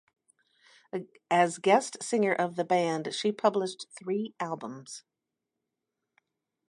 As guest singer of the band she published three albums.